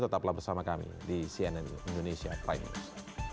tetaplah bersama kami di cnn indonesia prime news